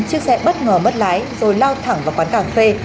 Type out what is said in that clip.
chiếc xe bất ngờ mất lái rồi lao thẳng vào quán cà phê